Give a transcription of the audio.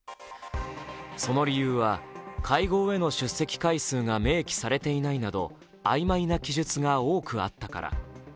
その理由は、会合への出席回数が明記されていないなど曖昧な記述が多くあったから。